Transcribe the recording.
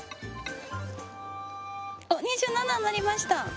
あ２７になりました。